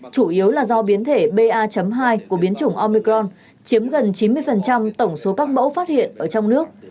chủ yếu là do biến thể ba hai của biến chủng omicron chiếm gần chín mươi tổng số các mẫu phát hiện ở trong nước